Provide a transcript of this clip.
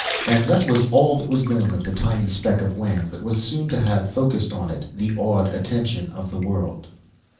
And that was all that was known of the tiny speck of land that was soon to have focussed on it the awed attention of the world.